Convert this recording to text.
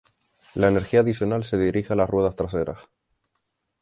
La energía adicional se dirige a las ruedas traseras.